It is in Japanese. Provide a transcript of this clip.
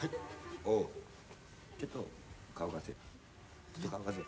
おうっちょっと顔貸せ。